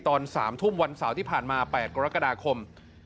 ตอน๓ทุ่มวันเสาร์ที่ผ่านมา๘กรกฎาคม